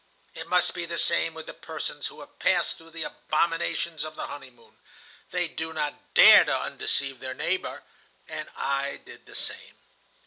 "It must be the same with the persons who have passed through the abominations of the honeymoon. They do not dare to undeceive their neighbor. And I did the same.